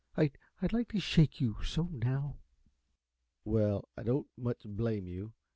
I I'd like to shake you so now!" "Well, I don't much blame you.